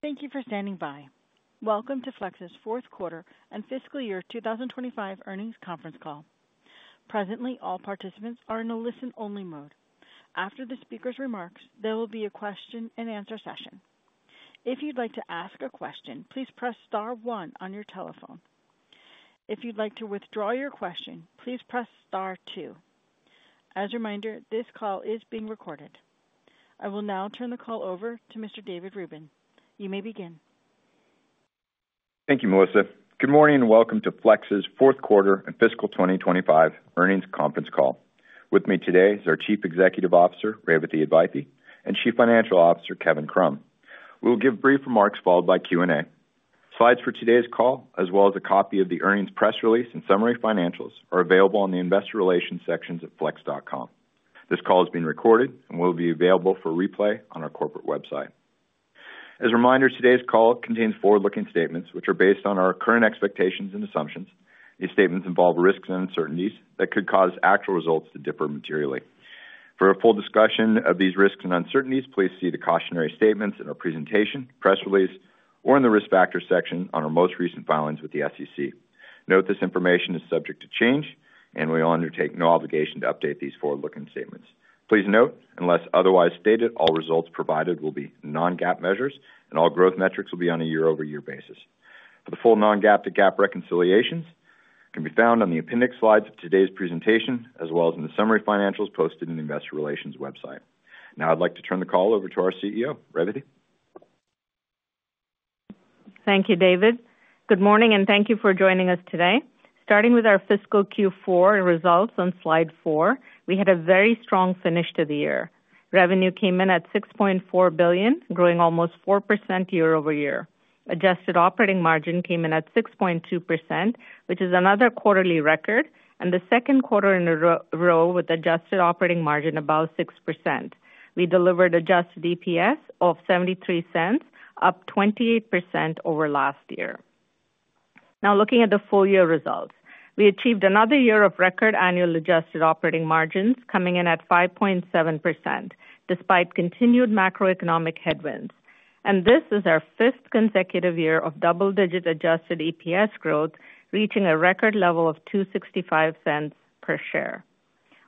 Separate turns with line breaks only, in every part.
Thank you for standing by. Welcome to Flex's Fourth Quarter and Fiscal Year 2025 Earnings Conference Call. Presently, all participants are in a listen-only mode. After the speaker's remarks, there will be a question-and-answer session. If you'd like to ask a question, please press star one on your telephone. If you'd like to withdraw your question, please press star two. As a reminder, this call is being recorded. I will now turn the call over to Mr. David Rubin. You may begin.
Thank you, Melissa. Good morning and welcome to Flex's fourth quarter and fiscal 2025 earnings conference call. With me today is our Chief Executive Officer, Revathi Advaithi, and Chief Financial Officer, Kevin Krumm. We'll give brief remarks followed by Q&A. Slides for today's call, as well as a copy of the earnings press release and summary financials, are available on the investor relations sections at flex.com. This call is being recorded and will be available for replay on our corporate website. As a reminder, today's call contains forward-looking statements which are based on our current expectations and assumptions. These statements involve risks and uncertainties that could cause actual results to differ materially. For a full discussion of these risks and uncertainties, please see the cautionary statements in our presentation, press release, or in the risk factor section on our most recent filings with the SEC. Note this information is subject to change, and we will undertake no obligation to update these forward-looking statements. Please note, unless otherwise stated, all results provided will be non-GAAP measures, and all growth metrics will be on a year-over-year basis. The full non-GAAP to GAAP reconciliations can be found on the appendix slides of today's presentation, as well as in the summary financials posted in the investor relations website. Now, I'd like to turn the call over to our CEO, Revathi.
Thank you, David. Good morning, and thank you for joining us today. Starting with our fiscal Q4 results on slide four, we had a very strong finish to the year. Revenue came in at $6.4 billion, growing almost 4% year-over-year. Adjusted operating margin came in at 6.2%, which is another quarterly record, and the second quarter in a row with adjusted operating margin above 6%. We delivered adjusted EPS of $0.73, up 28% over last year. Now, looking at the full year results, we achieved another year of record annual adjusted operating margins coming in at 5.7% despite continued macroeconomic headwinds. This is our fifth consecutive year of double-digit adjusted EPS growth, reaching a record level of $2.65 per share.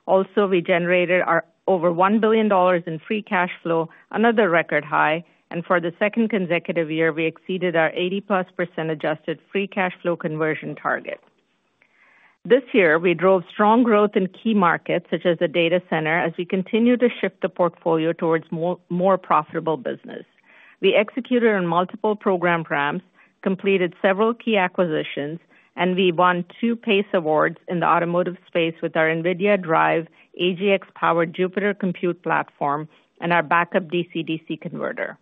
Also, we generated over $1 billion in free cash flow, another record high, and for the second consecutive year, we exceeded our 80%+ adjusted free cash flow conversion target. This year, we drove strong growth in key markets such as the data center as we continue to shift the portfolio towards more profitable business. We executed on multiple program ramps, completed several key acquisitions, and we won two PACE awards in the automotive space with our NVIDIA DRIVE AGX-powered Jupyter Compute platform and our backup DCDC converter.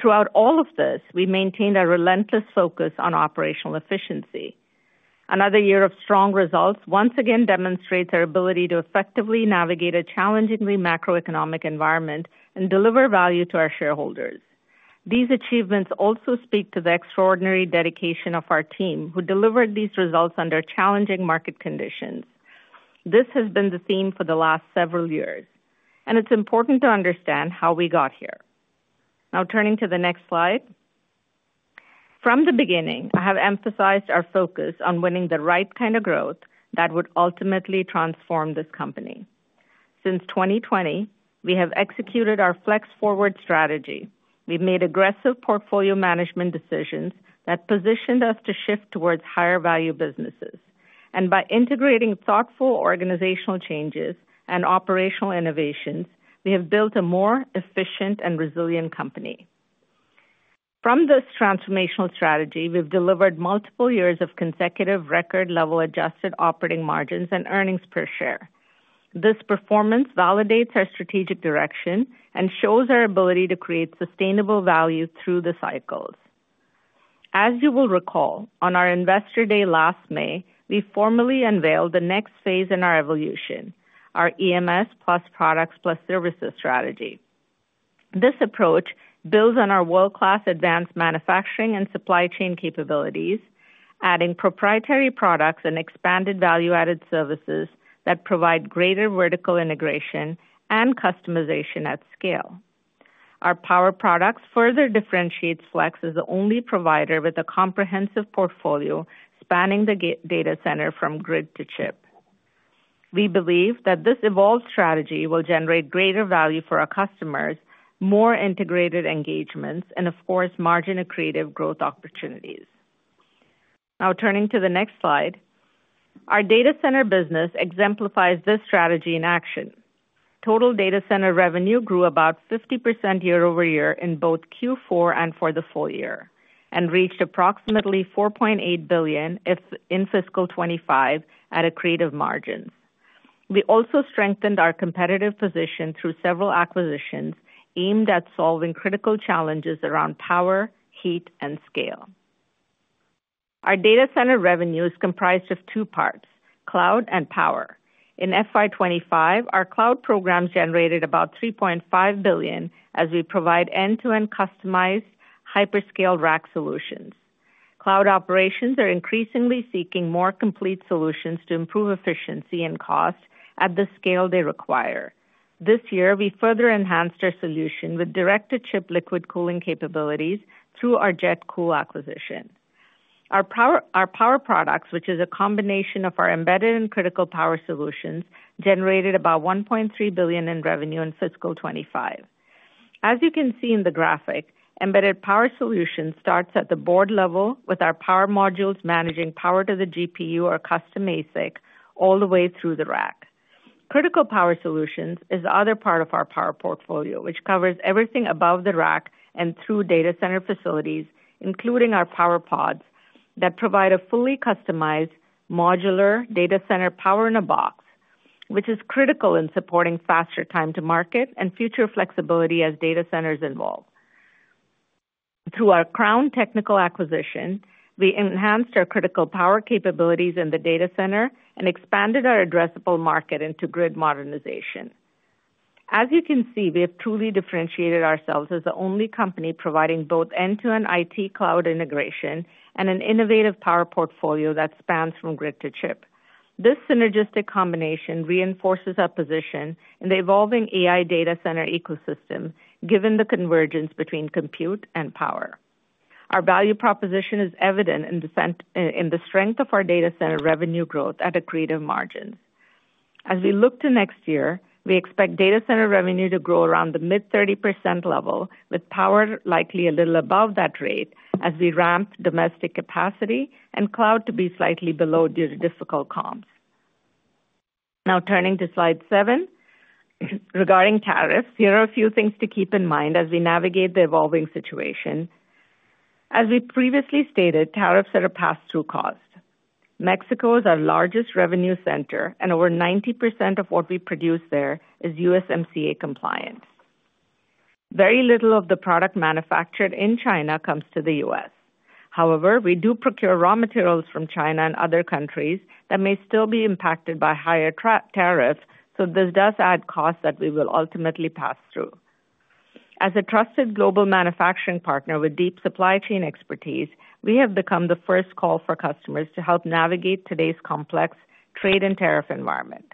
Throughout all of this, we maintained a relentless focus on operational efficiency. Another year of strong results once again demonstrates our ability to effectively navigate a challenging macroeconomic environment and deliver value to our shareholders. These achievements also speak to the extraordinary dedication of our team, who delivered these results under challenging market conditions. This has been the theme for the last several years, and it's important to understand how we got here. Now, turning to the next slide. From the beginning, I have emphasized our focus on winning the right kind of growth that would ultimately transform this company. Since 2020, we have executed our flex-forward strategy. We've made aggressive portfolio management decisions that positioned us to shift towards higher-value businesses. By integrating thoughtful organizational changes and operational innovations, we have built a more efficient and resilient company. From this transformational strategy, we've delivered multiple years of consecutive record-level adjusted operating margins and earnings per share. This performance validates our strategic direction and shows our ability to create sustainable value through the cycles. As you will recall, on our investor day last May, we formally unveiled the next phase in our evolution, our EMS plus products plus services strategy. This approach builds on our world-class advanced manufacturing and supply chain capabilities, adding proprietary products and expanded value-added services that provide greater vertical integration and customization at scale. Our power products further differentiate Flex as the only provider with a comprehensive portfolio spanning the data center from grid to chip. We believe that this evolved strategy will generate greater value for our customers, more integrated engagements, and, of course, margin accretive growth opportunities. Now, turning to the next slide, our data center business exemplifies this strategy in action. Total data center revenue grew about 50% year-over-year in both Q4 and for the full year, and reached approximately $4.8 billion in fiscal 2025 at accretive margins. We also strengthened our competitive position through several acquisitions aimed at solving critical challenges around power, heat, and scale. Our data center revenue is comprised of two parts, cloud and power. In FY25, our cloud program generated about $3.5 billion as we provide end-to-end customized hyperscale rack solutions. Cloud operations are increasingly seeking more complete solutions to improve efficiency and cost at the scale they require. This year, we further enhanced our solution with directed chip liquid cooling capabilities through our JetCool acquisition. Our power products, which is a combination of our embedded and critical power solutions, generated about $1.3 billion in revenue in fiscal 2025. As you can see in the graphic, embedded power solutions starts at the board level with our power modules managing power to the GPU or custom ASIC all the way through the rack. Critical power solutions is the other part of our power portfolio, which covers everything above the rack and through data center facilities, including our power pods that provide a fully customized modular data center power in a box, which is critical in supporting faster time to market and future flexibility as data centers evolve. Through our Crown Tech acquisition, we enhanced our critical power capabilities in the data center and expanded our addressable market into grid modernization. As you can see, we have truly differentiated ourselves as the only company providing both end-to-end IT cloud integration and an innovative power portfolio that spans from grid to chip. This synergistic combination reinforces our position in the evolving AI data center ecosystem, given the convergence between compute and power. Our value proposition is evident in the strength of our data center revenue growth at a creative margin. As we look to next year, we expect data center revenue to grow around the mid-30% level, with power likely a little above that rate as we ramp domestic capacity and cloud to be slightly below due to difficult comms. Now, turning to slide seven, regarding tariffs, here are a few things to keep in mind as we navigate the evolving situation. As we previously stated, tariffs are a pass-through cost. Mexico is our largest revenue center, and over 90% of what we produce there is USMCA compliant. Very little of the product manufactured in China comes to the US. However, we do procure raw materials from China and other countries that may still be impacted by higher tariffs, so this does add costs that we will ultimately pass through. As a trusted global manufacturing partner with deep supply chain expertise, we have become the first call for customers to help navigate today's complex trade and tariff environment.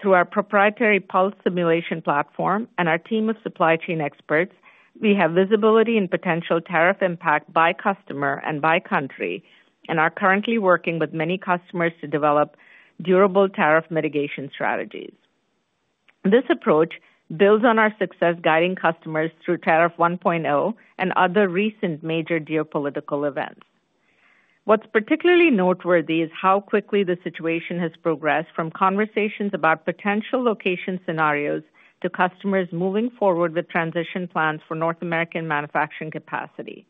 Through our proprietary pulse simulation platform and our team of supply chain experts, we have visibility in potential tariff impact by customer and by country, and are currently working with many customers to develop durable tariff mitigation strategies. This approach builds on our success guiding customers through Tariff 1.0 and other recent major geopolitical events. What's particularly noteworthy is how quickly the situation has progressed from conversations about potential location scenarios to customers moving forward with transition plans for North American manufacturing capacity.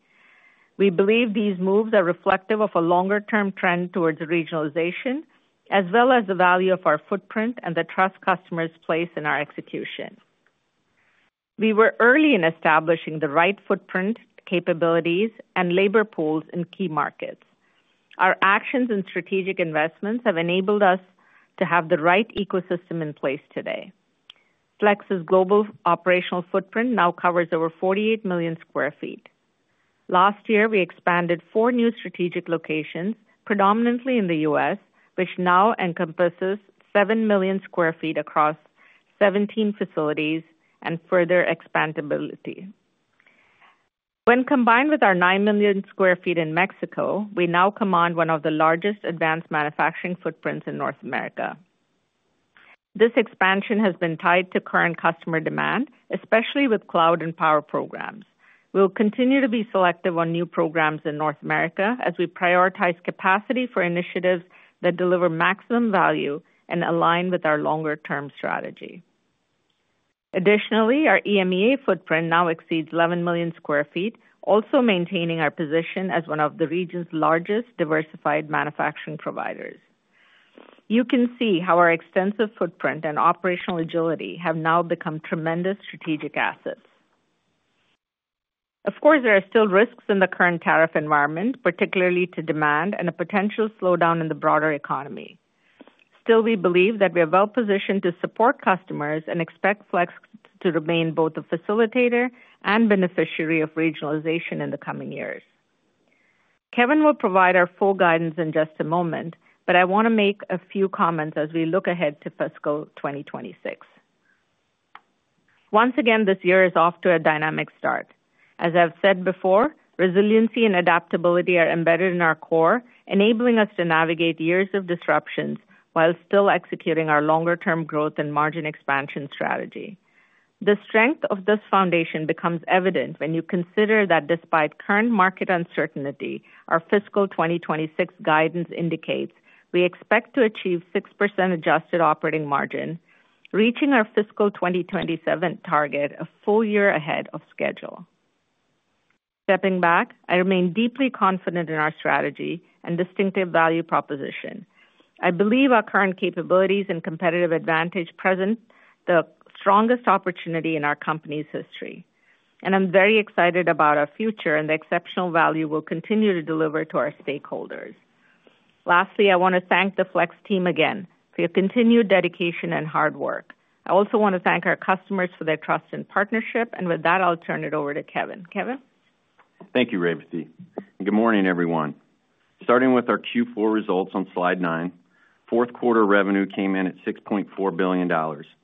We believe these moves are reflective of a longer-term trend towards regionalization, as well as the value of our footprint and the trust customers place in our execution. We were early in establishing the right footprint, capabilities, and labor pools in key markets. Our actions and strategic investments have enabled us to have the right ecosystem in place today. Flex's global operational footprint now covers over 48 million sq ft. Last year, we expanded four new strategic locations, predominantly in the U.S., which now encompasses 7 million sq ft across 17 facilities and further expandability. When combined with our 9 million sq ft in Mexico, we now command one of the largest advanced manufacturing footprints in North America. This expansion has been tied to current customer demand, especially with cloud and power programs. We'll continue to be selective on new programs in North America as we prioritize capacity for initiatives that deliver maximum value and align with our longer-term strategy. Additionally, our EMEA footprint now exceeds 11 million sq ft, also maintaining our position as one of the region's largest diversified manufacturing providers. You can see how our extensive footprint and operational agility have now become tremendous strategic assets. Of course, there are still risks in the current tariff environment, particularly to demand and a potential slowdown in the broader economy. Still, we believe that we are well-positioned to support customers and expect Flex to remain both a facilitator and beneficiary of regionalization in the coming years. Kevin will provide our full guidance in just a moment, but I want to make a few comments as we look ahead to fiscal 2026. Once again, this year is off to a dynamic start. As I've said before, resiliency and adaptability are embedded in our core, enabling us to navigate years of disruptions while still executing our longer-term growth and margin expansion strategy. The strength of this foundation becomes evident when you consider that despite current market uncertainty, our fiscal 2026 guidance indicates we expect to achieve 6% adjusted operating margin, reaching our fiscal 2027 target a full year ahead of schedule. Stepping back, I remain deeply confident in our strategy and distinctive value proposition. I believe our current capabilities and competitive advantage present the strongest opportunity in our company's history. I am very excited about our future and the exceptional value we will continue to deliver to our stakeholders. Lastly, I want to thank the Flex team again for your continued dedication and hard work. I also want to thank our customers for their trust and partnership, and with that, I'll turn it over to Kevin. Kevin.
Thank you, Revathi. Good morning, everyone. Starting with our Q4 results on slide nine, fourth quarter revenue came in at $6.4 billion,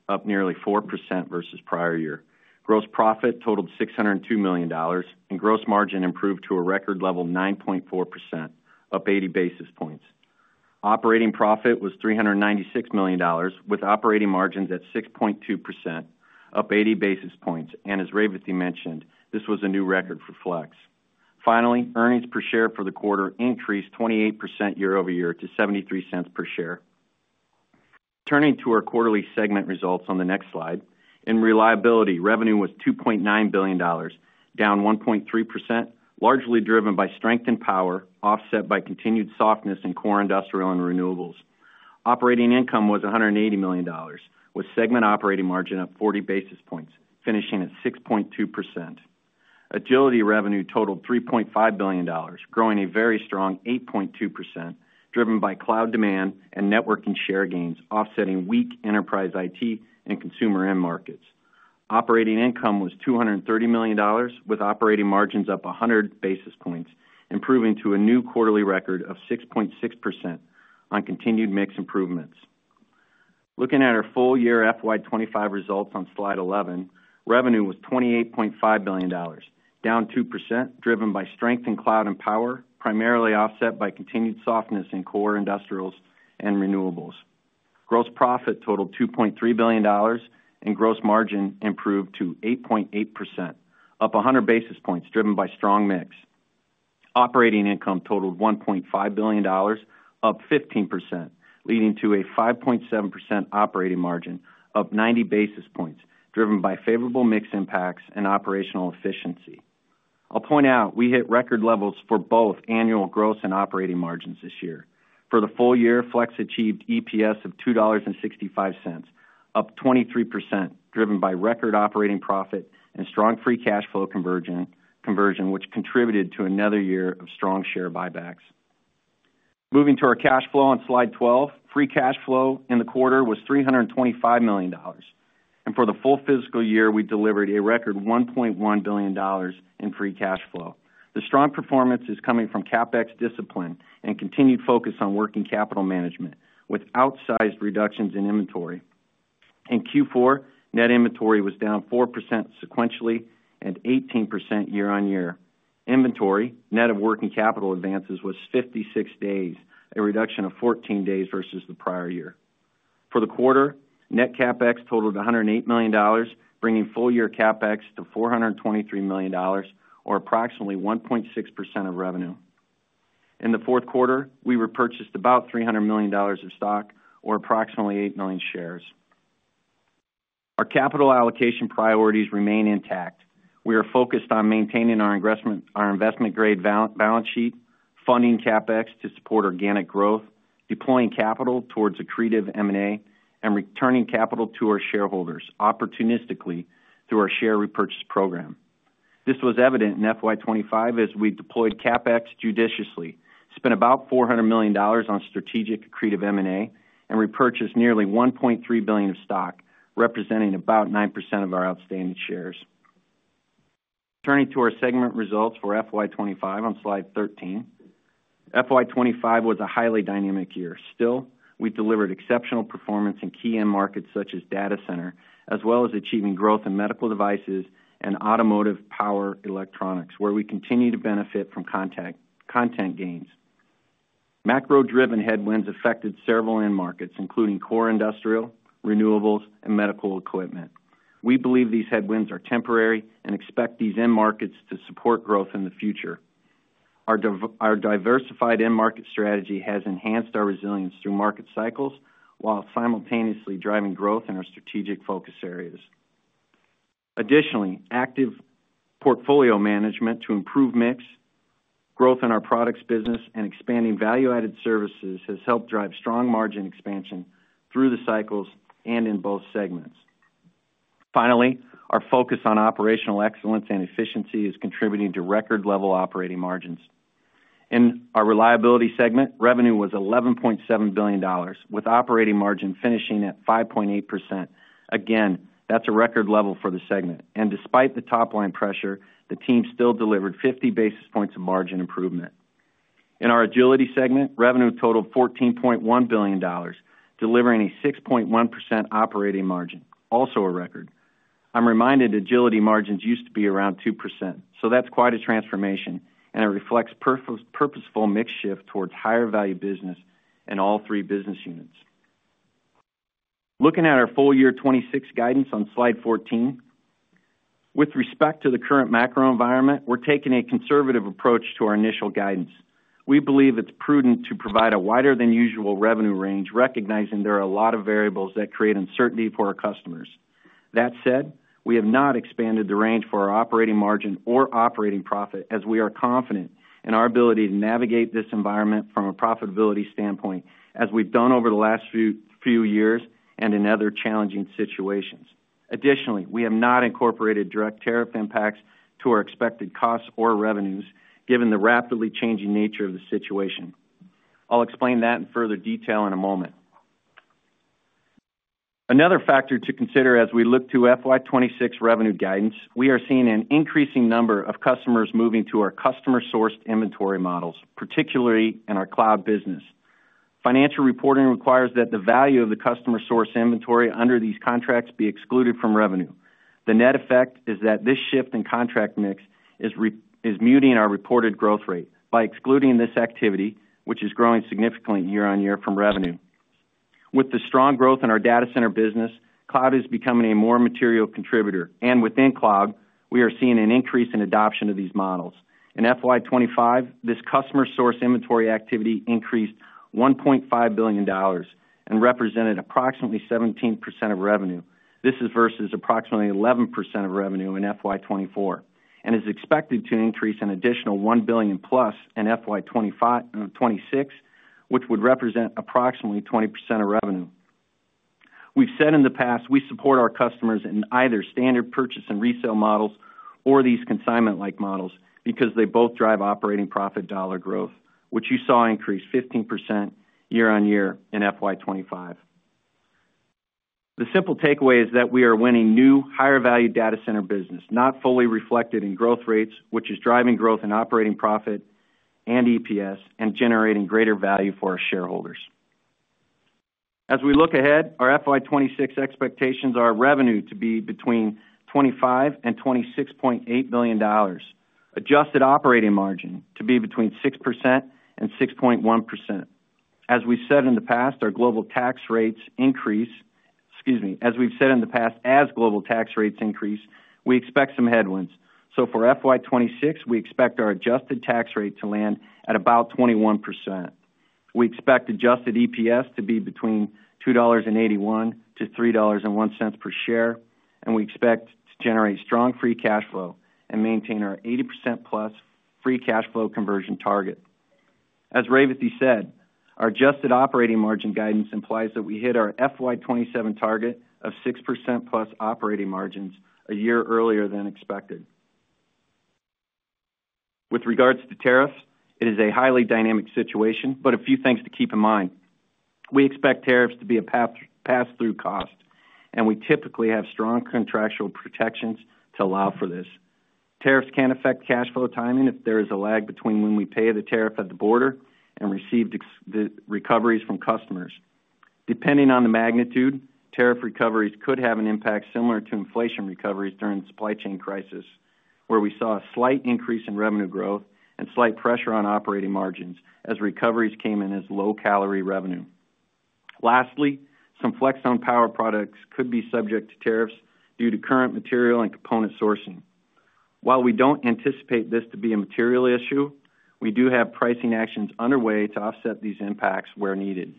up nearly 4% versus prior year. Gross profit totaled $602 million, and gross margin improved to a record level of 9.4%, up 80 basis points. Operating profit was $396 million, with operating margins at 6.2%, up 80 basis points. As Revathi mentioned, this was a new record for Flex. Finally, earnings per share for the quarter increased 28% year-over-year to $0.73 per share. Turning to our quarterly segment results on the next slide, in Reliability, revenue was $2.9 billion, down 1.3%, largely driven by strength in power, offset by continued softness in core industrial and renewables. Operating income was $180 million, with segment operating margin of 40 basis points, finishing at 6.2%. Agility revenue totaled $3.5 billion, growing a very strong 8.2%, driven by cloud demand and networking share gains, offsetting weak enterprise IT and consumer end markets. Operating income was $230 million, with operating margins up 100 basis points, improving to a new quarterly record of 6.6% on continued mix improvements. Looking at our full year FY2025 results on slide 11, revenue was $28.5 billion, down 2%, driven by strength in cloud and power, primarily offset by continued softness in core industrials and renewables. Gross profit totaled $2.3 billion, and gross margin improved to 8.8%, up 100 basis points, driven by strong mix. Operating income totaled $1.5 billion, up 15%, leading to a 5.7% operating margin, up 90 basis points, driven by favorable mix impacts and operational efficiency. I'll point out we hit record levels for both annual gross and operating margins this year. For the full year, Flex achieved EPS of $2.65, up 23%, driven by record operating profit and strong free cash flow conversion, which contributed to another year of strong share buybacks. Moving to our cash flow on slide 12, free cash flow in the quarter was $325 million. For the full fiscal year, we delivered a record $1.1 billion in free cash flow. The strong performance is coming from CapEx discipline and continued focus on working capital management, with outsized reductions in inventory. In Q4, net inventory was down 4% sequentially and 18% year-on-year. Inventory, net of working capital advances, was 56 days, a reduction of 14 days versus the prior year. For the quarter, net CapEx totaled $108 million, bringing full year CapEx to $423 million, or approximately 1.6% of revenue. In the fourth quarter, we repurchased about $300 million of stock, or approximately 8 million shares. Our capital allocation priorities remain intact. We are focused on maintaining our investment-grade balance sheet, funding CapEx to support organic growth, deploying capital towards accretive M&A, and returning capital to our shareholders opportunistically through our share repurchase program. This was evident in FY25 as we deployed CapEx judiciously, spent about $400 million on strategic accretive M&A, and repurchased nearly $1.3 billion of stock, representing about 9% of our outstanding shares. Turning to our segment results for FY25 on slide 13, FY25 was a highly dynamic year. Still, we delivered exceptional performance in key end markets such as data center, as well as achieving growth in medical devices and automotive power electronics, where we continue to benefit from content gains. Macro-driven headwinds affected several end markets, including core industrial, renewables, and medical equipment. We believe these headwinds are temporary and expect these end markets to support growth in the future. Our diversified end market strategy has enhanced our resilience through market cycles while simultaneously driving growth in our strategic focus areas. Additionally, active portfolio management to improve mix, growth in our products business, and expanding value-added services has helped drive strong margin expansion through the cycles and in both segments. Finally, our focus on operational excellence and efficiency is contributing to record-level operating margins. In our reliability segment, revenue was $11.7 billion, with operating margin finishing at 5.8%. That is a record level for the segment. Despite the top-line pressure, the team still delivered 50 basis points of margin improvement. In our agility segment, revenue totaled $14.1 billion, delivering a 6.1% operating margin, also a record. I'm reminded agility margins used to be around 2%, so that's quite a transformation, and it reflects purposeful mix shift towards higher value business in all three business units. Looking at our full year 2026 guidance on slide 14, with respect to the current macro environment, we're taking a conservative approach to our initial guidance. We believe it's prudent to provide a wider-than-usual revenue range, recognizing there are a lot of variables that create uncertainty for our customers. That said, we have not expanded the range for our operating margin or operating profit as we are confident in our ability to navigate this environment from a profitability standpoint, as we've done over the last few years and in other challenging situations. Additionally, we have not incorporated direct tariff impacts to our expected costs or revenues, given the rapidly changing nature of the situation. I'll explain that in further detail in a moment. Another factor to consider as we look to FY26 revenue guidance, we are seeing an increasing number of customers moving to our customer-sourced inventory models, particularly in our cloud business. Financial reporting requires that the value of the customer-sourced inventory under these contracts be excluded from revenue. The net effect is that this shift in contract mix is muting our reported growth rate by excluding this activity, which is growing significantly year-on-year from revenue. With the strong growth in our data center business, cloud is becoming a more material contributor. Within cloud, we are seeing an increase in adoption of these models. In FY25, this customer-sourced inventory activity increased $1.5 billion and represented approximately 17% of revenue. This is versus approximately 11% of revenue in FY24 and is expected to increase an additional $1 billion plus in FY26, which would represent approximately 20% of revenue. We've said in the past we support our customers in either standard purchase and resale models or these consignment-like models because they both drive operating profit dollar growth, which you saw increase 15% year-on-year in FY25. The simple takeaway is that we are winning new, higher-value data center business, not fully reflected in growth rates, which is driving growth in operating profit and EPS and generating greater value for our shareholders. As we look ahead, our FY26 expectations are revenue to be between $25 billion and $26.8 billion, adjusted operating margin to be between 6% and 6.1%. As we said in the past, as global tax rates increase—excuse me—as we've said in the past, as global tax rates increase, we expect some headwinds. For FY26, we expect our adjusted tax rate to land at about 21%. We expect adjusted EPS to be between $2.81-$3.01 per share, and we expect to generate strong free cash flow and maintain our 80%+ free cash flow conversion target. As Revathi said, our adjusted operating margin guidance implies that we hit our FY2027 target of 6%+ operating margins a year earlier than expected. With regards to tariffs, it is a highly dynamic situation, but a few things to keep in mind. We expect tariffs to be a pass-through cost, and we typically have strong contractual protections to allow for this. Tariffs can affect cash flow timing if there is a lag between when we pay the tariff at the border and receive recoveries from customers. Depending on the magnitude, tariff recoveries could have an impact similar to inflation recoveries during the supply chain crisis, where we saw a slight increase in revenue growth and slight pressure on operating margins as recoveries came in as low-calorie revenue. Lastly, some Flex Home Power products could be subject to tariffs due to current material and component sourcing. While we do not anticipate this to be a material issue, we do have pricing actions underway to offset these impacts where needed.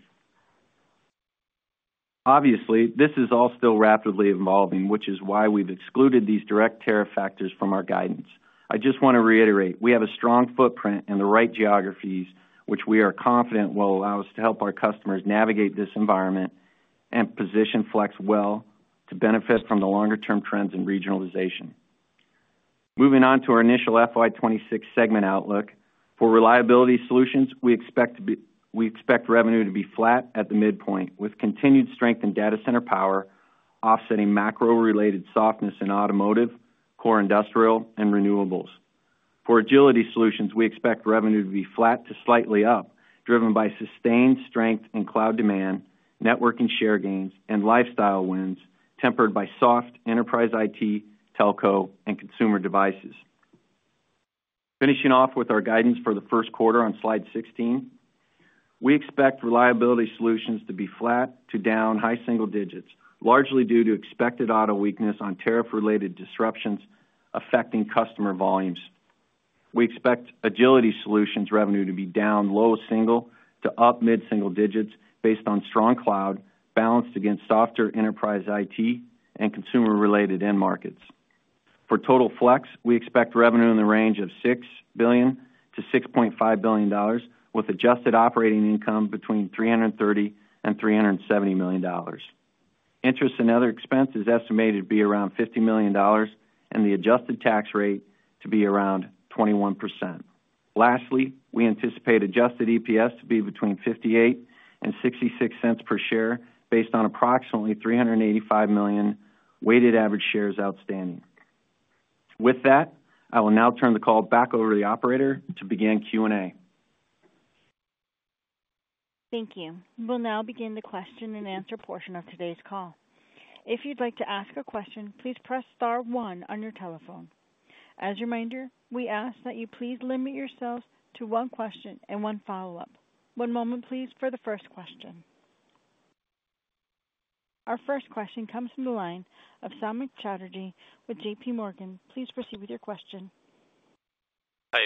Obviously, this is all still rapidly evolving, which is why we have excluded these direct tariff factors from our guidance. I just want to reiterate, we have a strong footprint in the right geographies, which we are confident will allow us to help our customers navigate this environment and position Flex well to benefit from the longer-term trends in regionalization. Moving on to our initial FY26 segment outlook, for reliability solutions, we expect revenue to be flat at the midpoint, with continued strength in data center power, offsetting macro-related softness in automotive, core industrial, and renewables. For agility solutions, we expect revenue to be flat to slightly up, driven by sustained strength in cloud demand, networking share gains, and lifestyle winds, tempered by soft enterprise IT, telco, and consumer devices. Finishing off with our guidance for the first quarter on slide 16, we expect reliability solutions to be flat to down high single digits, largely due to expected auto weakness on tariff-related disruptions affecting customer volumes. We expect agility solutions revenue to be down low single to up mid-single digits based on strong cloud balanced against softer enterprise IT and consumer-related end markets. For total Flex, we expect revenue in the range of $6 billion-$6.5 billion, with adjusted operating income between $330 million and $370 million. Interest and other expenses estimated to be around $50 million and the adjusted tax rate to be around 21%. Lastly, we anticipate adjusted EPS to be between $0.58 and $0.66 per share based on approximately 385 million weighted average shares outstanding. With that, I will now turn the call back over to the operator to begin Q&A.
Thank you. We'll now begin the question-and-answer portion of today's call. If you'd like to ask a question, please press star one on your telephone. As a reminder, we ask that you please limit yourselves to one question and one follow-up. One moment, please, for the first question. Our first question comes from the line of Samik Chatterley with J.P. Morgan. Please proceed with your question.
Hi.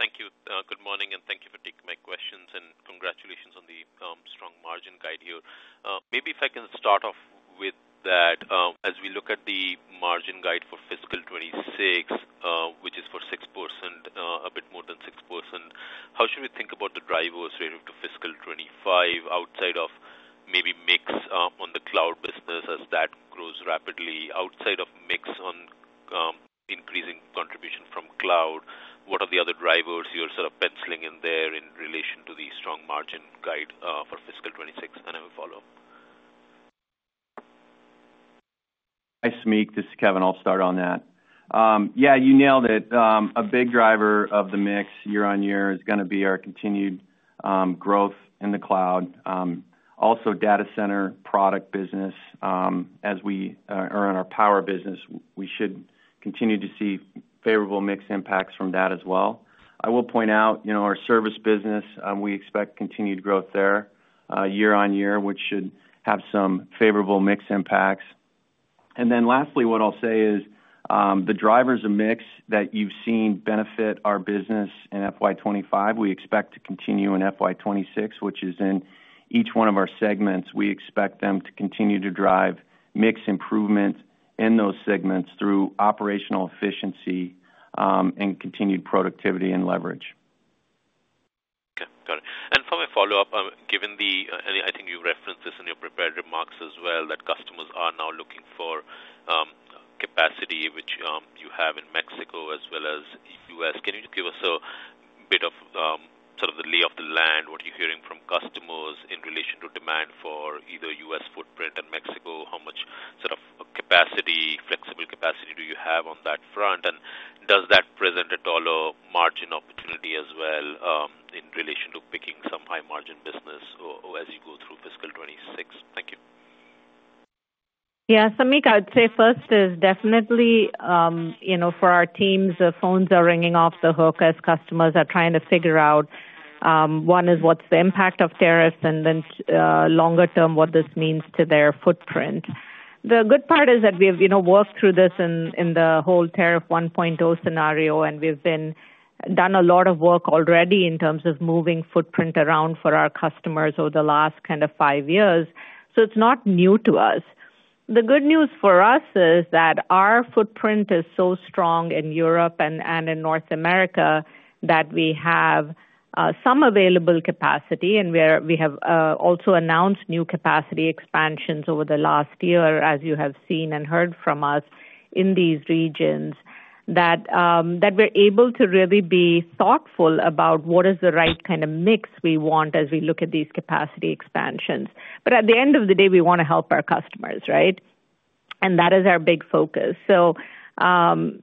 Thank you. Good morning, and thank you for taking my questions, and congratulations on the strong margin guide here. Maybe if I can start off with that, as we look at the margin guide for fiscal 2026, which is for 6%, a bit more than 6%, how should we think about the drivers relative to fiscal 2025 outside of maybe mix on the cloud business as that grows rapidly? Outside of mix on increasing contribution from cloud, what are the other drivers you're sort of penciling in there in relation to the strong margin guide for fiscal 2026 and a follow-up?
Hi, Samik. This is Kevin. I'll start on that. Yeah, you nailed it. A big driver of the mix year-on-year is going to be our continued growth in the cloud. Also, data center product business, as we are in our power business, we should continue to see favorable mix impacts from that as well. I will point out our service business, we expect continued growth there year-on-year, which should have some favorable mix impacts. Lastly, what I'll say is the drivers of mix that you've seen benefit our business in FY25, we expect to continue in FY26, which is in each one of our segments. We expect them to continue to drive mix improvement in those segments through operational efficiency and continued productivity and leverage.
Okay. Got it. For my follow-up, given the—and I think you've referenced this in your prepared remarks as well—that customers are now looking for capacity, which you have in Mexico as well as the U.S. Can you give us a bit of sort of the lay of the land? What are you hearing from customers in relation to demand for either U.S. footprint and Mexico? How much sort of capacity, flexible capacity do you have on that front? Does that present a dollar margin opportunity as well in relation to picking some high-margin business as you go through fiscal 2026? Thank you.
Yeah. Samik, I'd say first is definitely for our teams, the phones are ringing off the hook as customers are trying to figure out, one is what's the impact of tariffs and then longer-term what this means to their footprint. The good part is that we have worked through this in the whole tariff 1.0 scenario, and we've done a lot of work already in terms of moving footprint around for our customers over the last kind of five years. It is not new to us. The good news for us is that our footprint is so strong in Europe and in North America that we have some available capacity, and we have also announced new capacity expansions over the last year, as you have seen and heard from us in these regions, that we're able to really be thoughtful about what is the right kind of mix we want as we look at these capacity expansions. At the end of the day, we want to help our customers, right? That is our big focus. A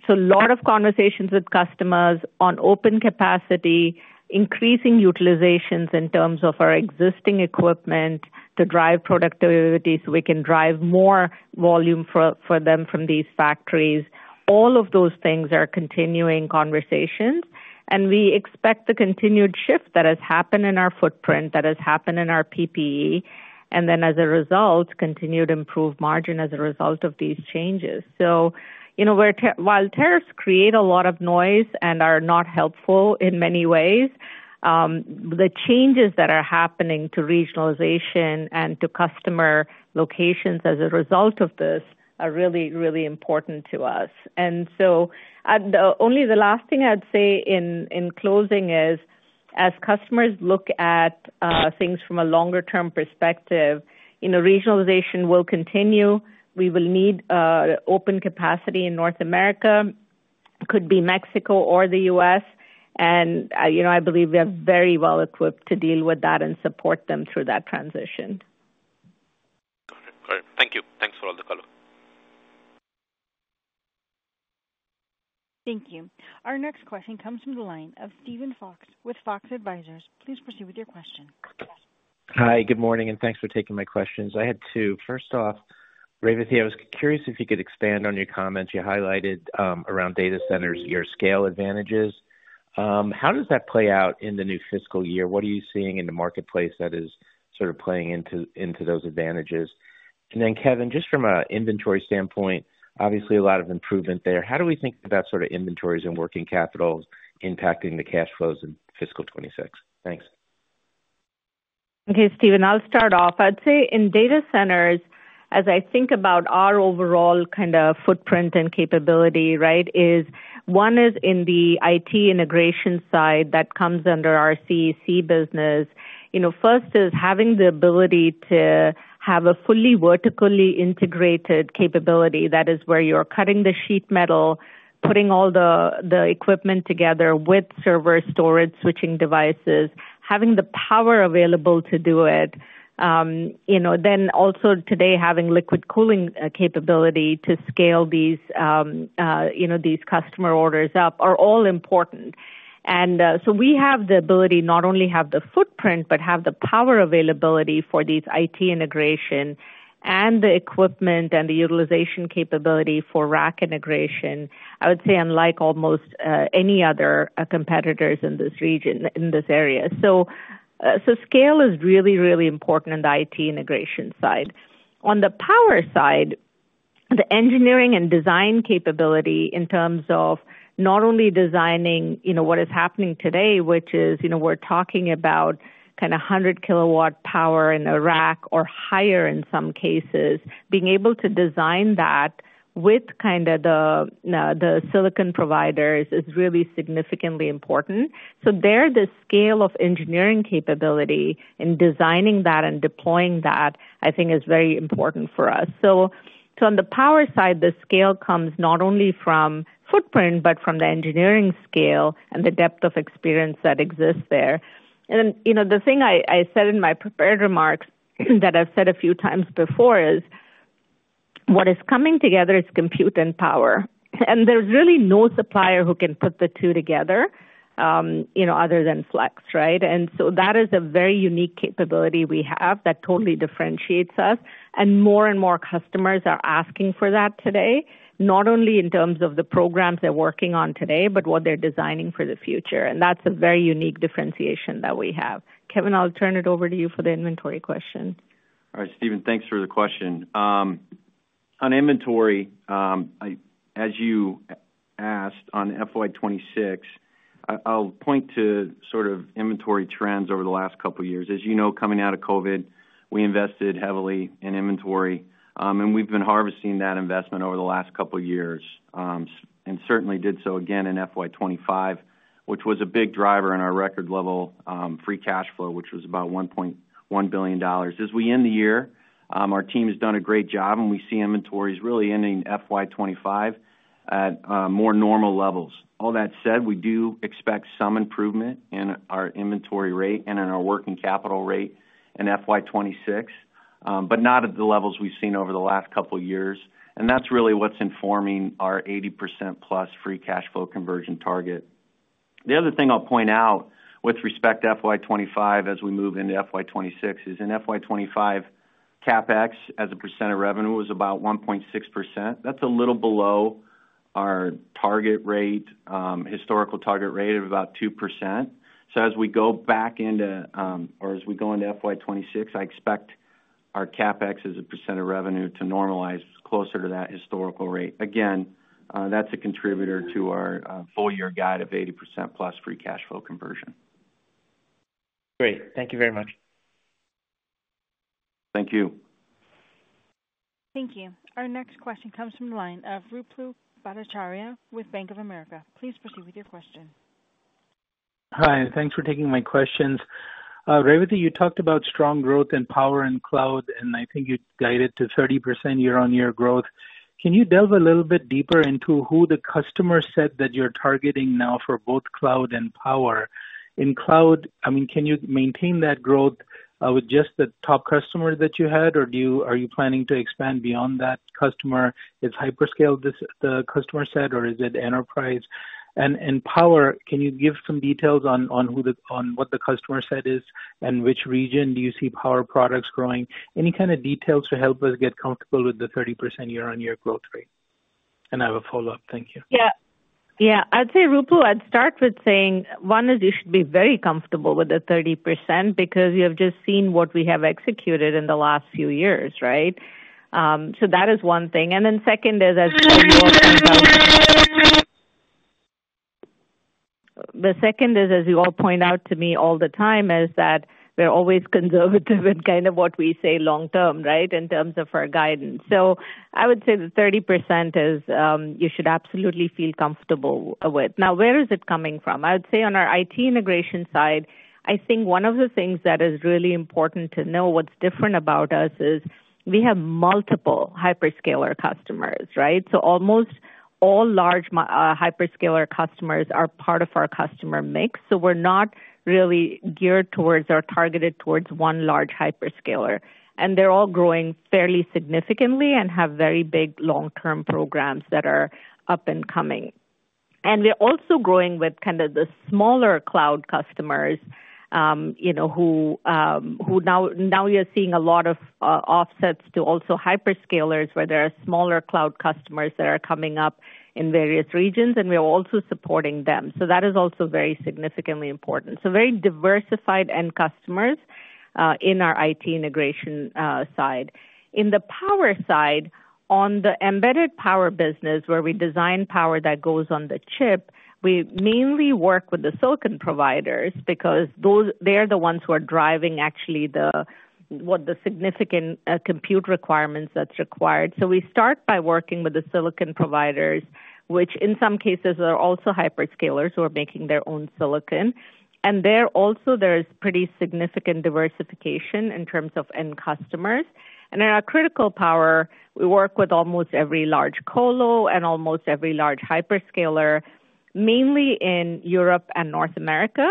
lot of conversations with customers on open capacity, increasing utilizations in terms of our existing equipment to drive productivity so we can drive more volume for them from these factories. All of those things are continuing conversations, and we expect the continued shift that has happened in our footprint, that has happened in our PPE, and then as a result, continued improved margin as a result of these changes. While tariffs create a lot of noise and are not helpful in many ways, the changes that are happening to regionalization and to customer locations as a result of this are really, really important to us. Only the last thing I'd say in closing is, as customers look at things from a longer-term perspective, regionalization will continue. We will need open capacity in North America, could be Mexico or the U.S., and I believe we are very well equipped to deal with that and support them through that transition.
Got it. All right. Thank you. Thanks for all the color.
Thank you.
Our next question comes from the line of Steven Fox with Fox Advisors. Please proceed with your question.
Hi. Good morning, and thanks for taking my questions. I had two. First off, Revathi, I was curious if you could expand on your comments. You highlighted around data centers, your scale advantages. How does that play out in the new fiscal year? What are you seeing in the marketplace that is sort of playing into those advantages? Kevin, just from an inventory standpoint, obviously a lot of improvement there. How do we think about sort of inventories and working capital impacting the cash flows in fiscal 2026?Thanks.
Okay, Steven, I'll start off. I'd say in data centers, as I think about our overall kind of footprint and capability, right, one is in the IT integration side that comes under our CEC business. First is having the ability to have a fully vertically integrated capability. That is where you're cutting the sheet metal, putting all the equipment together with server storage switching devices, having the power available to do it. Also today, having liquid cooling capability to scale these customer orders up are all important. We have the ability not only to have the footprint, but have the power availability for these IT integration and the equipment and the utilization capability for rack integration, I would say unlike almost any other competitors in this region, in this area. Scale is really, really important in the IT integration side. On the power side, the engineering and design capability in terms of not only designing what is happening today, which is we're talking about kind of 100 kilowatt power in a rack or higher in some cases, being able to design that with kind of the silicon providers is really significantly important. There, the scale of engineering capability in designing that and deploying that, I think, is very important for us. On the power side, the scale comes not only from footprint, but from the engineering scale and the depth of experience that exists there. The thing I said in my prepared remarks that I've said a few times before is what is coming together is compute and power. There is really no supplier who can put the two together other than Flex, right? That is a very unique capability we have that totally differentiates us. More and more customers are asking for that today, not only in terms of the programs they're working on today, but what they're designing for the future. That is a very unique differentiation that we have. Kevin, I'll turn it over to you for the inventory question.
All right, Steven, thanks for the question. On inventory, as you asked on FY26, I'll point to sort of inventory trends over the last couple of years. As you know, coming out of COVID, we invested heavily in inventory, and we've been harvesting that investment over the last couple of years and certainly did so again in FY25, which was a big driver in our record-level free cash flow, which was about $1.1 billion. As we end the year, our team has done a great job, and we see inventories really ending FY25 at more normal levels. All that said, we do expect some improvement in our inventory rate and in our working capital rate in FY26, but not at the levels we've seen over the last couple of years. That is really what's informing our 80%+ free cash flow conversion target. The other thing I'll point out with respect to FY25 as we move into FY26 is in FY25, CapEx as a percent of revenue was about 1.6%. That is a little below our target rate, historical target rate of about 2%. As we go back into or as we go into FY26, I expect our CapEx as a percent of revenue to normalize closer to that historical rate. Again, that's a contributor to our full-year guide of 80%+ free cash flow conversion.
Great. Thank you very much.
Thank you.
Thank you. Our next question comes from the line of Ruplu Bhattacharya with Bank of America. Please proceed with your question.
Hi. Thanks for taking my questions. Revathi, you talked about strong growth in power and cloud, and I think you guided to 30% year-on-year growth. Can you delve a little bit deeper into who the customer set that you're targeting now for both cloud and power? In cloud, I mean, can you maintain that growth with just the top customer that you had, or are you planning to expand beyond that customer? Is hyperscale the customer set, or is it enterprise? In power, can you give some details on what the customer set is and which region do you see power products growing? Any kind of details to help us get comfortable with the 30% year-on-year growth rate? I have a follow-up. Thank you
Yeah. I'd say Ruplu, I'd start with saying one is you should be very comfortable with the 30% because you have just seen what we have executed in the last few years, right? That is one thing. The second is, as you all point out to me all the time, we're always conservative in kind of what we say long-term, right, in terms of our guidance. I would say the 30% is you should absolutely feel comfortable with. Now, where is it coming from? I would say on our IT integration side, I think one of the things that is really important to know what's different about us is we have multiple hyperscaler customers, right? Almost all large hyperscaler customers are part of our customer mix. We are not really geared towards or targeted towards one large hyperscaler. They are all growing fairly significantly and have very big long-term programs that are up and coming. We are also growing with kind of the smaller cloud customers who now you are seeing a lot of offsets to also hyperscalers where there are smaller cloud customers that are coming up in various regions, and we are also supporting them. That is also very significantly important. Very diversified end customers in our IT integration side. In the power side, on the embedded power business where we design power that goes on the chip, we mainly work with the silicon providers because they're the ones who are driving actually what the significant compute requirements that's required. We start by working with the silicon providers, which in some cases are also hyperscalers who are making their own silicon. There also, there is pretty significant diversification in terms of end customers. In our critical power, we work with almost every large colo and almost every large hyperscaler, mainly in Europe and North America.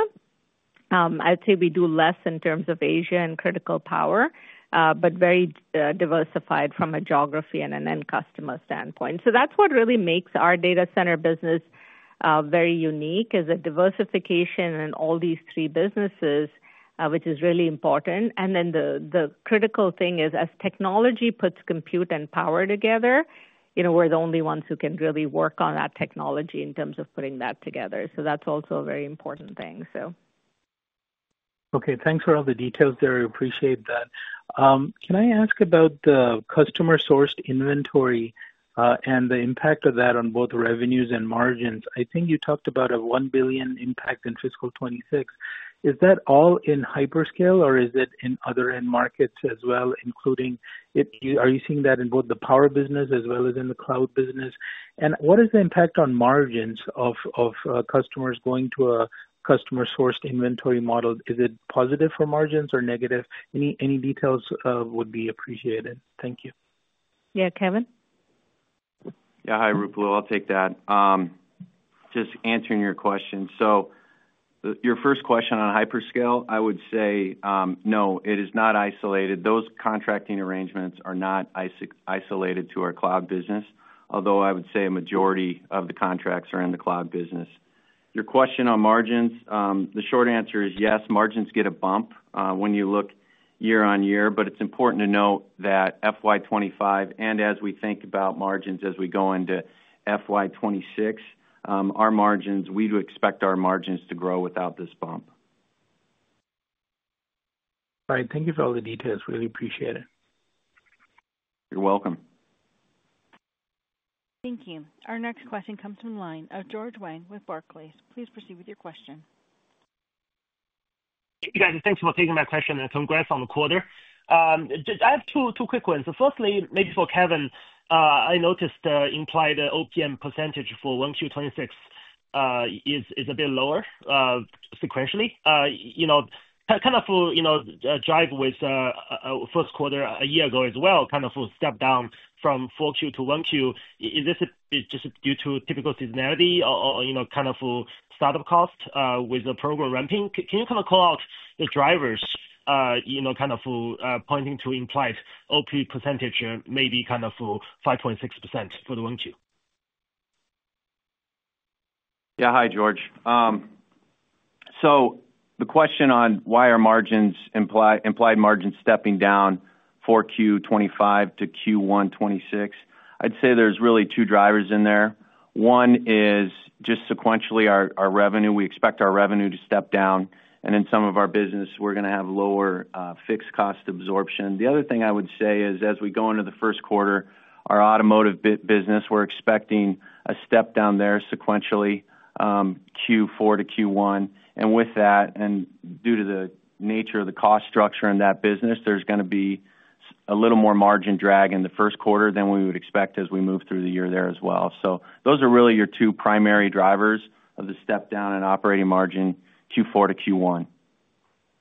I'd say we do less in terms of Asia in critical power, but very diversified from a geography and an end customer standpoint. That's what really makes our data center business very unique is a diversification in all these three businesses, which is really important. The critical thing is as technology puts compute and power together, we're the only ones who can really work on that technology in terms of putting that together. That's also a very important thing.
Okay. Thanks for all the details there. I appreciate that. Can I ask about the customer-sourced inventory and the impact of that on both revenues and margins? I think you talked about a $1 billion impact in fiscal 2026. Is that all in hyperscale, or is it in other end markets as well, including are you seeing that in both the power business as well as in the cloud business? What is the impact on margins of customers going to a customer-sourced inventory model? Is it positive for margins or negative? Any details would be appreciated. Thank you.
Yeah. Kevin?
Yeah. Hi, Ruplu. I'll take that. Just answering your question. Your first question on hyperscale, I would say no, it is not isolated. Those contracting arrangements are not isolated to our cloud business, although I would say a majority of the contracts are in the cloud business. Your question on margins, the short answer is yes, margins get a bump when you look year-on-year, but it's important to note that FY25 and as we think about margins as we go into FY26, our margins, we do expect our margins to grow without this bump.
All right. Thank you for all the details. Really appreciate it.
You're welcome.
Thank you. Our next question comes from the line of George Wang with Barclays. Please proceed with your question.
Thank you, guys. Thanks for taking my question and congrats on the quarter. I have two quick ones. Firstly, maybe for Kevin, I noticed the implied OPM percentage for 1Q26 is a bit lower sequentially. Kind of for drive with first quarter a year ago as well, kind of for step down from 4Q to 1Q, is this just due to typical seasonality or kind of for startup cost with the program ramping? Can you kind of call out the drivers kind of for pointing to implied OPM percentage maybe kind of for 5.6% for the 1Q?
Yeah. Hi, George. The question on why are margins, implied margins stepping down 4Q2025-Q12026, I'd say there's really two drivers in there. One is just sequentially our revenue. We expect our revenue to step down. In some of our business, we're going to have lower fixed cost absorption. The other thing I would say is as we go into the first quarter, our automotive business, we're expecting a step down there sequentially Q4- Q1. With that, and due to the nature of the cost structure in that business, there's going to be a little more margin drag in the first quarter than we would expect as we move through the year there as well. Those are really your two primary drivers of the step down in operating margin Q4- Q1.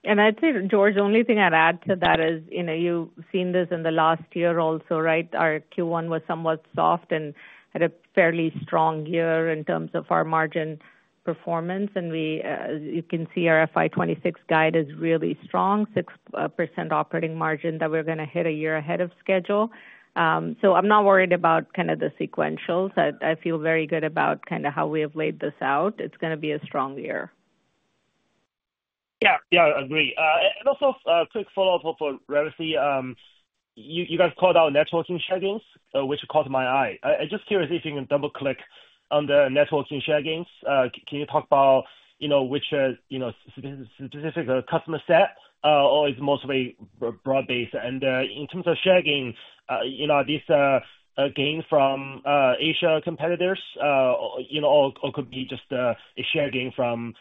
I'd say, George, the only thing I'd add to that is you've seen this in the last year also, right? Our Q1 was somewhat soft and had a fairly strong year in terms of our margin performance. You can see our FY26 guide is really strong, 6% operating margin that we're going to hit a year ahead of schedule. I'm not worried about kind of the sequentials. I feel very good about kind of how we have laid this out. It's going to be a strong year.
Yeah. Yeah. I agree. Also, a quick follow-up for Revathi. You guys called out networking share gains, which caught my eye. I'm just curious if you can double-click on the networking share gains. Can you talk about which specific customer set or is it mostly broad-based? In terms of share gain, are these gains from Asia competitors or could be just a share gain from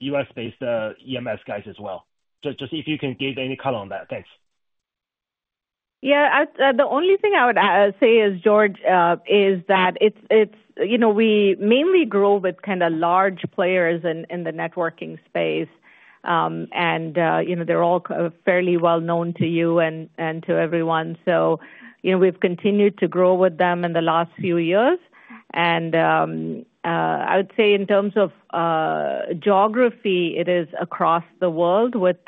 US-based EMS guys as well? Just if you can give any color on that. Thanks.
Yeah. The only thing I would say is, George, is that we mainly grow with kind of large players in the networking space, and they're all fairly well-known to you and to everyone. We have continued to grow with them in the last few years. I would say in terms of geography, it is across the world with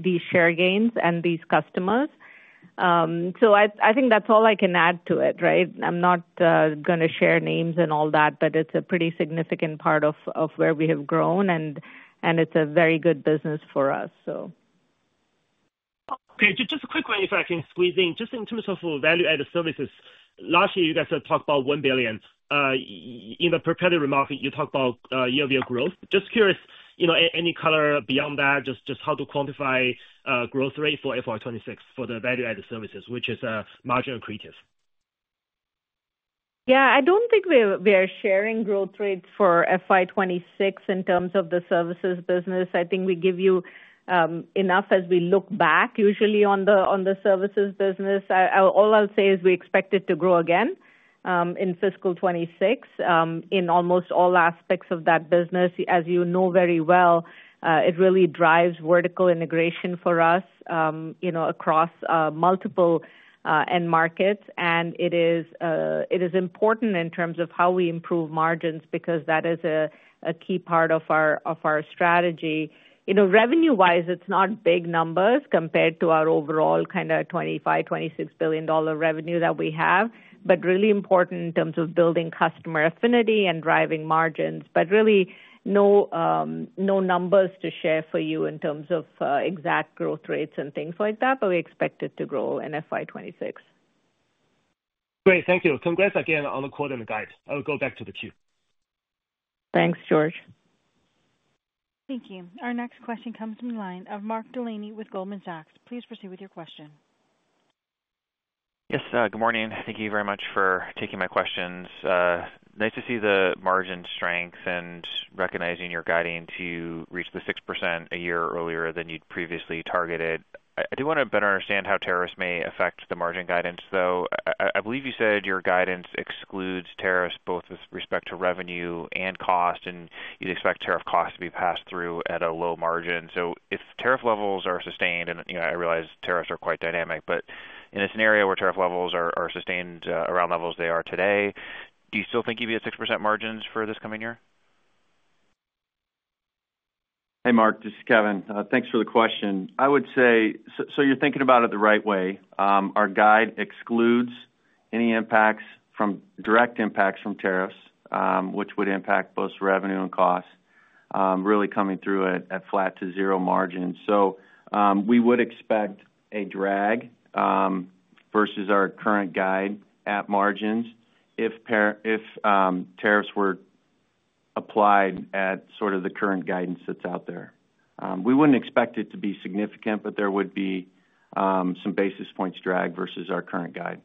these share gains and these customers. I think that's all I can add to it, right? I'm not going to share names and all that, but it's a pretty significant part of where we have grown, and it's a very good business for us.
Okay. Just a quick manufacturing squeezing. In terms of value-added services, last year, you guys talked about $1 billion. In the prepared remark, you talked about year-over-year growth. Just curious, any color beyond that, just how to quantify growth rate for FY2026 for the value-added services, which is margin accretive?
Yeah. I don't think we are sharing growth rates for FY2026 in terms of the services business.
I think we give you enough as we look back usually on the services business. All I'll say is we expect it to grow again in fiscal 2026 in almost all aspects of that business. As you know very well, it really drives vertical integration for us across multiple end markets. It is important in terms of how we improve margins because that is a key part of our strategy. Revenue-wise, it's not big numbers compared to our overall kind of $25 billion-$26 billion revenue that we have, but really important in terms of building customer affinity and driving margins. No numbers to share for you in terms of exact growth rates and things like that, but we expect it to grow in FY2026.
Great. Thank you. Congrats again on the quarterly guide. I'll go back to the queue.
Thanks, George.
Thank you. Our next question comes from the line of Mark Delaney with Goldman Sachs. Please proceed with your question.
Yes. Good morning. Thank you very much for taking my questions. Nice to see the margin strength and recognizing your guiding to reach the 6% a year earlier than you'd previously targeted. I do want to better understand how tariffs may affect the margin guidance, though. I believe you said your guidance excludes tariffs both with respect to revenue and cost, and you'd expect tariff costs to be passed through at a low margin. If tariff levels are sustained, and I realize tariffs are quite dynamic, but in a scenario where tariff levels are sustained around levels they are today, do you still think you'd be at 6% margins for this coming year?
Hey, Mark. This is Kevin. Thanks for the question. I would say, you are thinking about it the right way. Our guide excludes any impacts from direct impacts from tariffs, which would impact both revenue and cost, really coming through at flat to zero margins. We would expect a drag versus our current guide at margins if tariffs were applied at sort of the current guidance that is out there. We would not expect it to be significant, but there would be some basis points drag versus our current guide.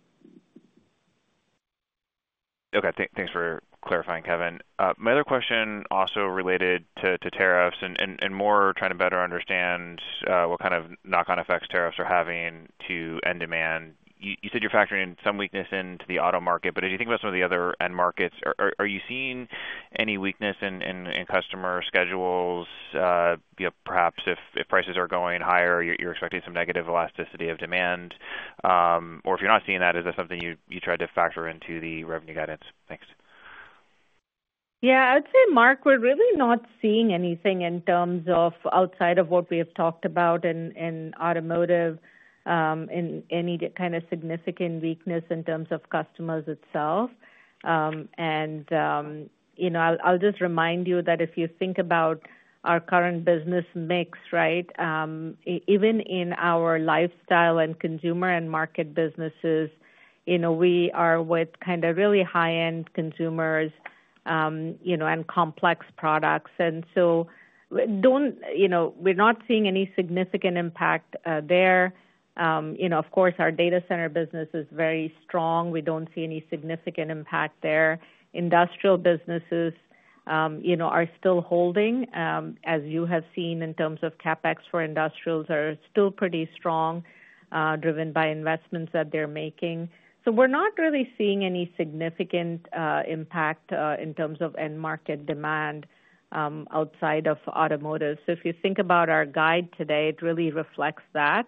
Okay. Thanks for clarifying, Kevin. My other question also related to tariffs and more trying to better understand what kind of knock-on effects tariffs are having to end demand. You said you are factoring some weakness into the auto market, but if you think about some of the other end markets, are you seeing any weakness in customer schedules? Perhaps if prices are going higher, you're expecting some negative elasticity of demand. Or if you're not seeing that, is that something you tried to factor into the revenue guidance? Thanks.
Yeah. I would say Mark we're really not seeing anything in terms of outside of what we have talked about in automotive, any kind of significant weakness in terms of customers itself. I'll just remind you that if you think about our current business mix, right, even in our lifestyle and consumer and market businesses, we are with kind of really high-end consumers and complex products. We're not seeing any significant impact there. Of course, our data center business is very strong. We don't see any significant impact there. Industrial businesses are still holding, as you have seen in terms of CapEx for industrials are still pretty strong, driven by investments that they're making. We're not really seeing any significant impact in terms of end market demand outside of automotive. If you think about our guide today, it really reflects that.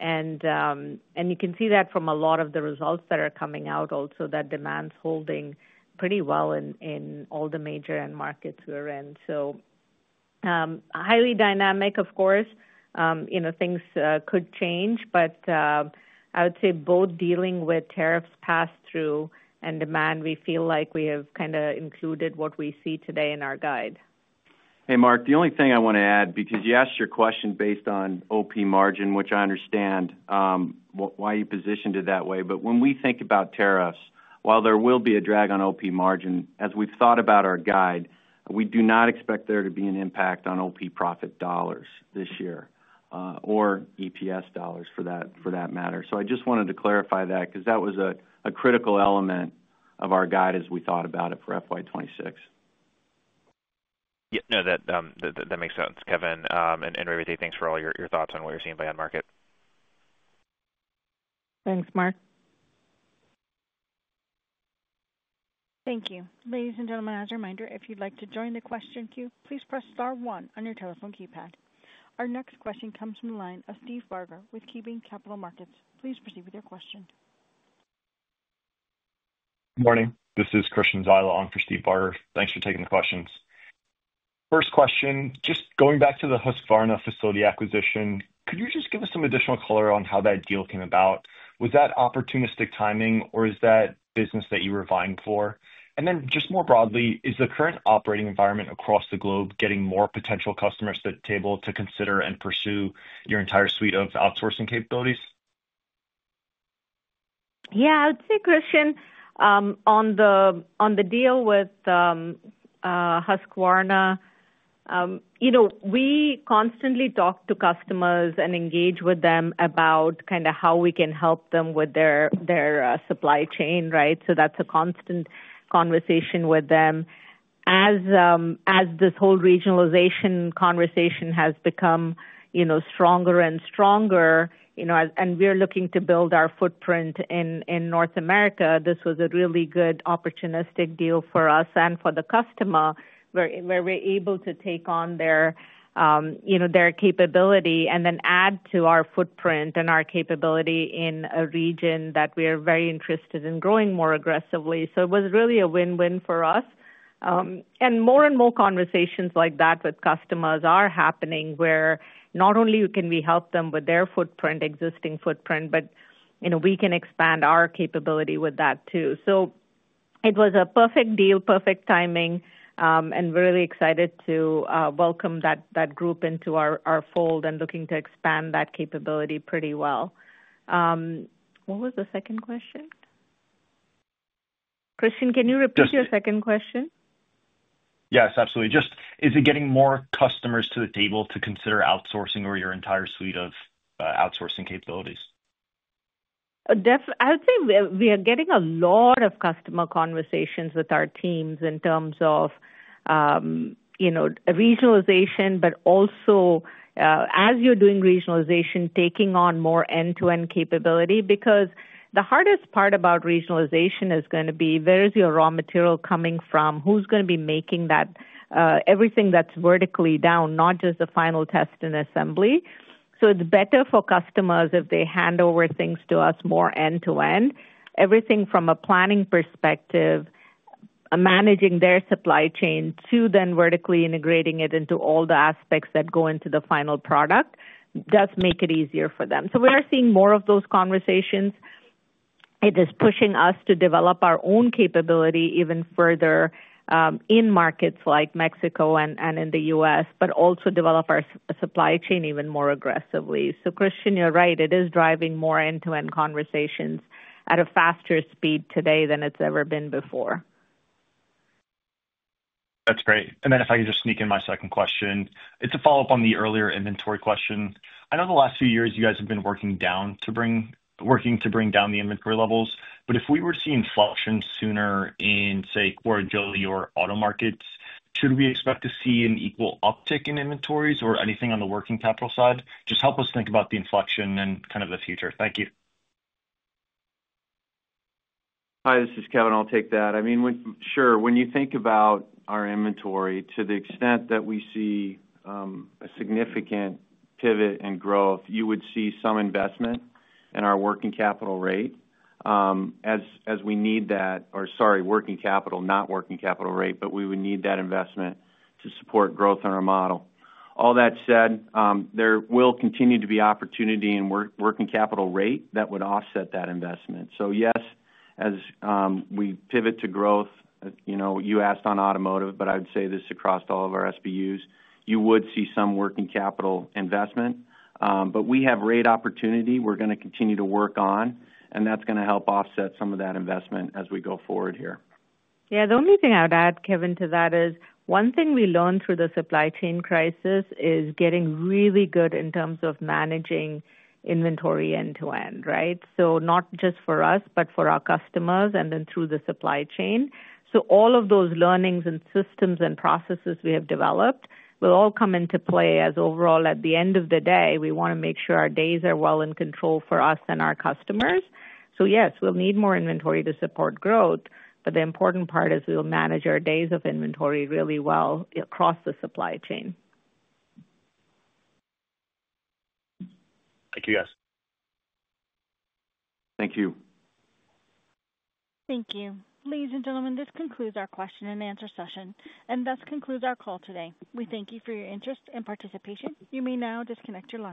You can see that from a lot of the results that are coming out also, that demand's holding pretty well in all the major end markets we're in. Highly dynamic, of course. Things could change, but I would say both dealing with tariffs passed through and demand, we feel like we have kind of included what we see today in our guide.
Hey, Mark. The only thing I want to add, because you asked your question based on OP margin, which I understand why you positioned it that way, but when we think about tariffs, while there will be a drag on OP margin, as we've thought about our guide, we do not expect there to be an impact on OP profit dollars this year or EPS dollars for that matter. I just wanted to clarify that because that was a critical element of our guide as we thought about it for FY2026.
Yeah. No, that makes sense, Kevin. And Revathi, thanks for all your thoughts on what you're seeing by end market.
Thanks, Mark.
Thank you. Ladies and gentlemen, as a reminder, if you'd like to join the question queue, please press star one on your telephone keypad. Our next question comes from the line of Steve Barler with KeyBeam Capital Markets. Please proceed with your question.
Good morning. This is Christian Zyla on for Steve Barler. Thanks for taking the questions. First question, just going back to the Husqvarna facility acquisition, could you just give us some additional color on how that deal came about? Was that opportunistic timing, or is that business that you were vying for? More broadly, is the current operating environment across the globe getting more potential customers to the table to consider and pursue your entire suite of outsourcing capabilities?
Yeah. I would say, Christian, on the deal with Husqvarna, we constantly talk to customers and engage with them about kind of how we can help them with their supply chain, right? That is a constant conversation with them. As this whole regionalization conversation has become stronger and stronger, and we're looking to build our footprint in North America, this was a really good opportunistic deal for us and for the customer where we're able to take on their capability and then add to our footprint and our capability in a region that we are very interested in growing more aggressively. It was really a win-win for us. More and more conversations like that with customers are happening where not only can we help them with their existing footprint, but we can expand our capability with that too. It was a perfect deal, perfect timing, and we're really excited to welcome that group into our fold and looking to expand that capability pretty well. What was the second question? Christian, can you repeat your second question?
Yes. Absolutely. Is it getting more customers to the table to consider outsourcing or your entire suite of outsourcing capabilities? I would say we are getting a lot of customer conversations with our teams in terms of regionalization, but also as you're doing regionalization, taking on more end-to-end capability because the hardest part about regionalization is going to be where is your raw material coming from? Who's going to be making that? Everything that's vertically down, not just the final test and assembly. It is better for customers if they hand over things to us more end-to-end. Everything from a planning perspective, managing their supply chain to then vertically integrating it into all the aspects that go into the final product does make it easier for them. We are seeing more of those conversations. It is pushing us to develop our own capability even further in markets like Mexico and in the US, but also develop our supply chain even more aggressively. Christian, you're right. It is driving more end-to-end conversations at a faster speed today than it's ever been before. That's great. If I could just sneak in my second question, it's a follow-up on the earlier inventory question. I know the last few years you guys have been working to bring down the inventory levels, but if we were seeing inflection sooner in, say, core jelly or auto markets, should we expect to see an equal uptick in inventories or anything on the working capital side? Just help us think about the inflection and kind of the future. Thank you.
Hi, this is Kevin. I'll take that. I mean, sure. When you think about our inventory, to the extent that we see a significant pivot and growth, you would see some investment in our working capital as we need that, or sorry, working capital, not working capital rate, but we would need that investment to support growth in our model. All that said, there will continue to be opportunity in working capital rate that would offset that investment. Yes, as we pivot to growth, you asked on automotive, but I would say this across all of our SBUs, you would see some working capital investment. We have rate opportunity we're going to continue to work on, and that's going to help offset some of that investment as we go forward here. Yeah.
The only thing I would add, Kevin, to that is one thing we learned through the supply chain crisis is getting really good in terms of managing inventory end-to-end, right? Not just for us, but for our customers and then through the supply chain. All of those learnings and systems and processes we have developed will all come into play as overall, at the end of the day, we want to make sure our days are well in control for us and our customers. Yes, we'll need more inventory to support growth, but the important part is we will manage our days of inventory really well across the supply chain.
Thank you, guys.
Thank you.
Thank you. Ladies and gentlemen, this concludes our question and answer session. This concludes our call today. We thank you for your interest and participation. You may now disconnect the line.